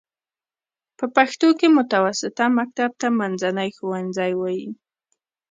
په پښتو کې متوسطه مکتب ته منځنی ښوونځی وايي.